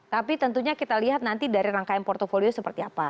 tapi tentunya kita lihat nanti dari rangkaian portfolio seperti apa